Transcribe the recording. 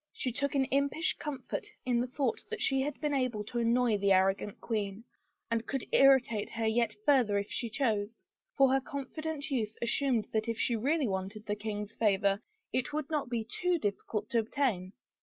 She took an impish comfort in the thought that she had been able to annoy the arrogant queen and could irritate her yet further if she chose — for her confident youth assumed that if she really wanted the king's favor it would not be too difficult to obtain!